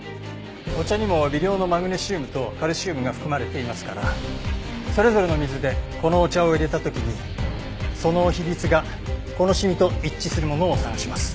お茶にも微量のマグネシウムとカルシウムが含まれていますからそれぞれの水でこのお茶を淹れた時にその比率がこのシミと一致するものを探します。